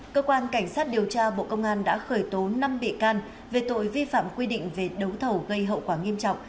cơ quan cảnh sát điều tra bộ công an đã khởi tố năm bị can về tội vi phạm quy định về đấu thầu gây hậu quả nghiêm trọng